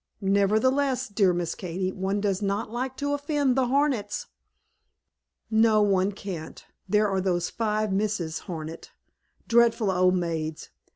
"Nevertheless, dear Miss Katy, one does not like to offend the Hornets." "No, one can't. There are those five Misses Hornet, dreadful old maids!